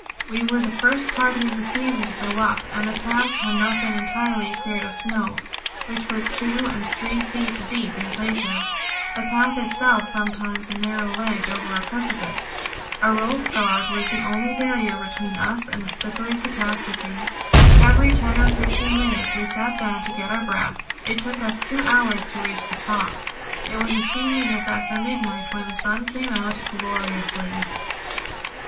We were the first party of the season to go up, and the paths had not been entirely cleared of snow, which was two and three feet deep in places, the path itself sometimes a narrow ledge over a precipice. A rope guard was the only barrier between us and a slippery catastrophe. Every ten or fifteen minutes we sat down to get our breath. It took us two hours to reach the top. It was a few minutes after midnight when the sun came out gloriously.